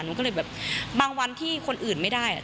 หนูก็เลยแบบบางวันที่คนอื่นไม่ได้